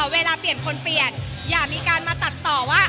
เวลาเปลี่ยนคนเปลี่ยนอย่ามีการมาตัดต่อว่า